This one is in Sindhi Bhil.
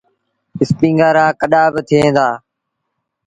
اسپيٚنگر رآ ڪڏآ با ٿئيٚݩ دآ۔